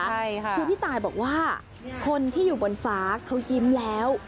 ใช่ค่ะคือพี่ตายบอกว่าคนที่อยู่บนฟ้าเขายิ้มแล้ว